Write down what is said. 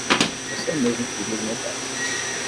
Você é mesmo filho do meu pai.